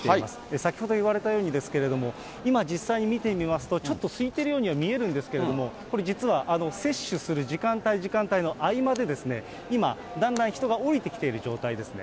先ほど言われたようにですけれども、今、実際に見てみますと、ちょっと空いているようには見えるんですけれども、これ実は、接種する時間帯、時間帯の合間でですね、今、だんだん人が下りてきている状態ですね。